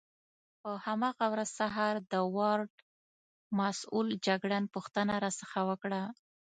په هماغه ورځ سهار د وارډ مسؤل جګړن پوښتنه راڅخه وکړه.